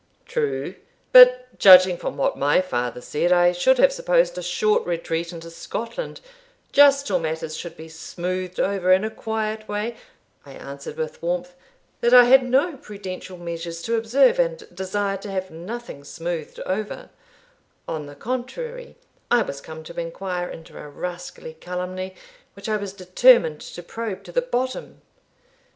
"True; but judging from what my father said, I should have supposed a short retreat into Scotland just till matters should be smoothed over in a quiet way" I answered with warmth, "That I had no prudential measures to observe, and desired to have nothing smoothed over; on the contrary, I was come to inquire into a rascally calumny, which I was determined to probe to the bottom."